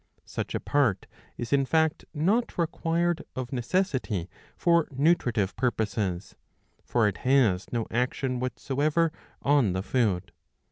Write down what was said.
^ Such a part is in fact not required of necessity for nutritive purposes ; for it has no action whatsoever on the food.